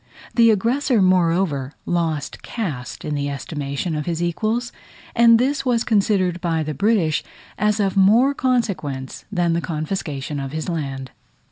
The aggressor, moreover, lost caste in the estimation of his equals and this was considered by the British as of more consequence than the confiscation of his land.